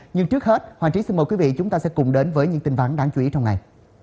nhưng trước hết hoàng trí xin mời quý vị chúng ta sẽ cùng đến với những tin ván đáng chú ý trong ngày